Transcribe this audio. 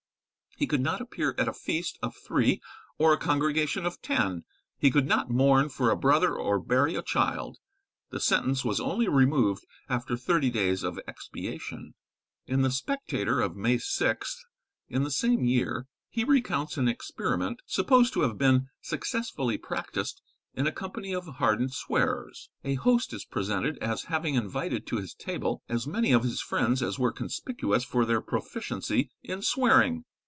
He could not appear at a feast of three or a congregation of ten; he could not mourn for a brother or bury a child. The sentence was only removed after thirty days of expiation. In the 'Spectator' of May 6th, in the same year, he recounts an experiment supposed to have been successfully practised in a company of hardened swearers. A host is presented as having invited to his table as many of his friends as were conspicuous for their proficiency in swearing.